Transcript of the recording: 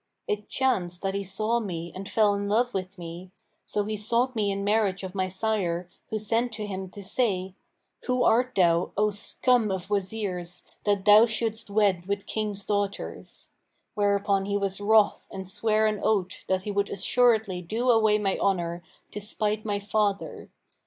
It chanced that he saw me and fell in love with me; so he sought me in marriage of my sire, who sent to him to say, 'Who art thou, O scum of Wazirs, that thou shouldst wed with Kings' daughters?' Whereupon he was wroth and sware an oath that he would assuredly do away my honour, to spite my father.